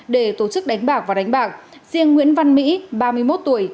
để tổ chức đánh bạc và đánh bạc riêng nguyễn văn mỹ ba mươi một tuổi